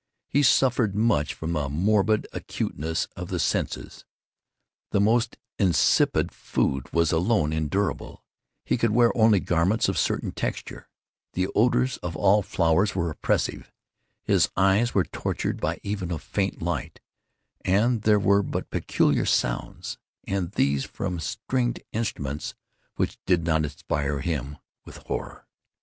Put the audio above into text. He suffered much from a morbid acuteness of the senses; the most insipid food was alone endurable; he could wear only garments of certain texture; the odors of all flowers were oppressive; his eyes were tortured by even a faint light; and there were but peculiar sounds, and these from stringed instruments, which did not inspire him with horror.